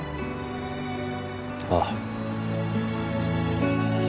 ああ。